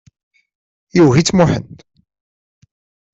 Yugi-tt Muḥend.